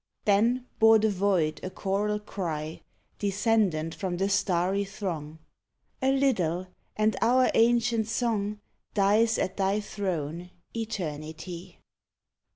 Then bore the Void a choral cry, Descendent from the starry throng: "A little, and our ancient song Dies at thy throne, Eternity!"